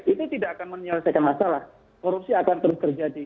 itu tidak akan menyelesaikan masalah korupsi akan terus terjadi